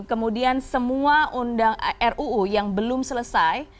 kemudian semua ruu yang belum selesai